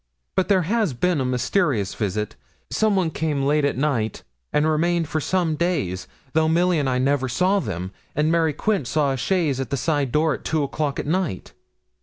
But there has been a mysterious visit; some one came late at night, and remained for some days, though Milly and I never saw them, and Mary Quince saw a chaise at the side door at two o'clock at night.'